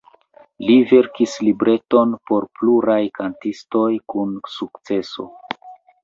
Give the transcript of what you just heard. Li verkis libreton por pluraj kantistoj kun sukceso.